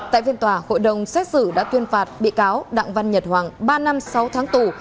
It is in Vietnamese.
tại phiên tòa hội đồng xét xử đã tuyên phạt bị cáo đặng văn nhật hoàng ba năm sáu tháng tù